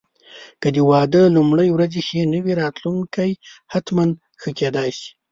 که د واده لومړني ورځې ښې نه وې، راتلونکی حتماً ښه کېدای شي.